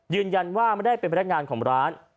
ยืนยันว่าไม่ได้เป็นพนักงานของร้าน